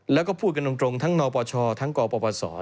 แล้วก็พูดกันตรงทั้งนปชทั้งกปศ